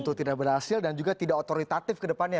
tidak berhasil dan juga tidak otoritatif ke depannya